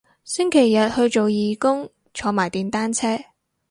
星期日去做義工坐埋電單車